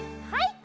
はい。